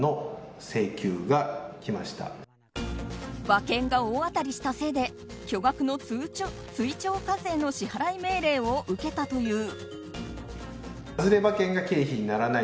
馬券が大当たりしたせいで巨額の追徴課税の支払い命令を受けたという。